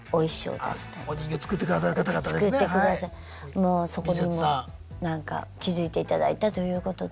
もうそこにもなんか気付いていただいたということで。